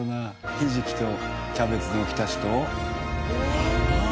ひじきとキャベツのお浸しと。